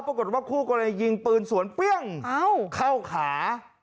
ปรากฏว่าคู่กำลังมายิงปืนสวนเป้ื้องเข้าขา